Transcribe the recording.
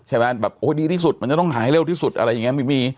แบบโอ้ดีที่สุดมันจะต้องหาให้เร็วที่สุดอะไรอย่างนี้ไม่มี